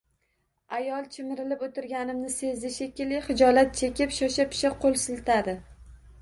Ayol chimirilib o‘tirganimni sezdi shekilli, xijolat chekib shosha-pisha qo‘l siltadi.